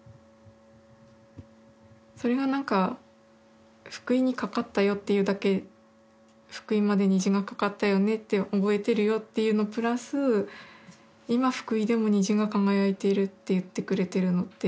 それがなんか「福井にかかったよ」っていうだけ「福井まで虹がかかったよね」って覚えてるよっていうのプラス「今福井でも虹が輝いている」って言ってくれてるのって。